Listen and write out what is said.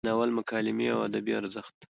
د ناول مکالمې او ادبي ارزښت: